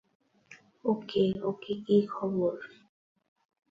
ওকে, okay কি খবর?